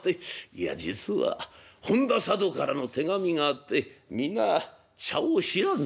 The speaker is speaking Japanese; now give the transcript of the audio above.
「いや実は本多佐渡からの手紙があって皆茶を知らんのだ」。